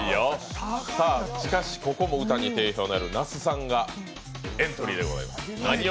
しかし、ここも歌に定評のある那須さんがエントリーです。